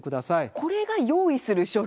これが用意する書類。